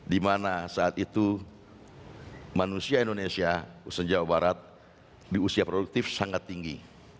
dimana saat itu manusia indonesia usia jawa barat di usia produktif sangat tinggi